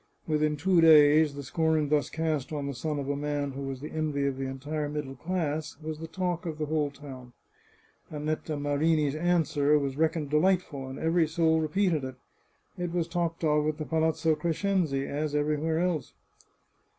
Within two days the scorn thus cast on the son of a man who was the envy of the entire middle class was the talk of the whole town. Annetta Marini's answer was reckoned delightful, and every soul repeated it.. It was talked of at the Palazzo Crescenzi, as everywhere else.